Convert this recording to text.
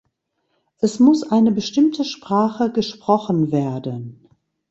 Es muss eine bestimmte Sprache gesprochen werden.